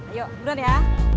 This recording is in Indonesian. ayo beruntut ya